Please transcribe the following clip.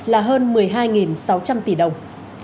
là hơn một mươi hai sáu trăm linh tỷ đồng